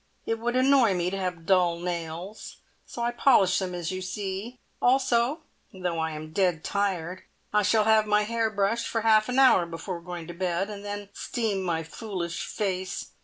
It would annoy me to have dull nails, so I polish them as you see; also, though I am dead tired, I shall have my hair brushed for half an hour before going to bed, and then steam my foolish face.